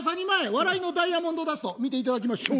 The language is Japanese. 笑いのダイヤモンドダスト」見ていただきましょう！